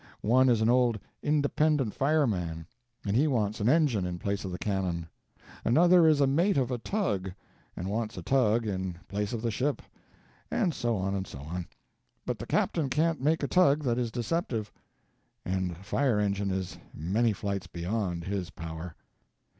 One is an old 'independent' fireman, and he wants an engine in place of the cannon; another is a mate of a tug, and wants a tug in place of the ship —and so on, and so on. But the captain can't make a tug that is deceptive, and a fire engine is many flights beyond his power."